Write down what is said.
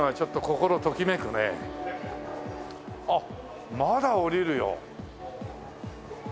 あっまだ下りるよ。